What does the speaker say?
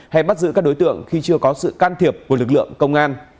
hay bắt giữ các đối tượng khi chưa có sự can thiệp của lực lượng công an